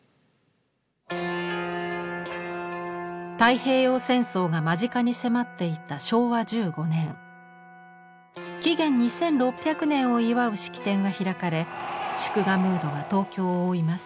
太平洋戦争が間近に迫っていた昭和１５年紀元２６００年を祝う式典が開かれ祝賀ムードが東京を覆います。